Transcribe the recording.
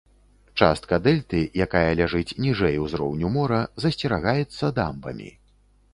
Частка дэльты, якая ляжыць ніжэй ўзроўню мора, засцерагаецца дамбамі.